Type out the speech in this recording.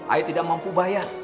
ayah tidak mampu bayar